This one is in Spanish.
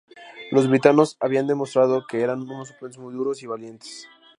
Los britanos habían demostrado que eran unos oponentes muy duros y valientes.